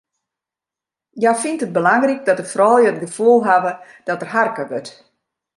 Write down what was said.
Hja fynt it belangryk dat de froulju it gefoel hawwe dat der harke wurdt.